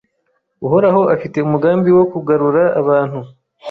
Uhoraho afite umugambi wo kugarura abantu